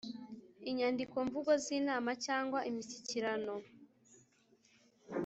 inyandiko mvugo z inama cyangwa imishyikirano